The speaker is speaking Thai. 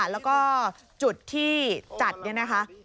แล้วก็จุดที่จัดเนี่ยนะคะ